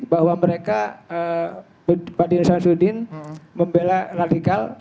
bahwa mereka pak dir syamsuddin membela radikal